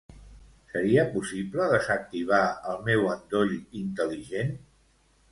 Seria possible desactivar el meu endoll intel·ligent?